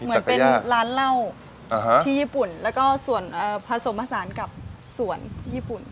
เหมือนเป็นร้านเหล้าที่ญี่ปุ่นแล้วก็ส่วนผสมผสานกับส่วนญี่ปุ่น